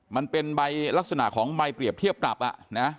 มันเป็นใบลักษณะของใบเปรียบเทียบปรับอ่ะนะ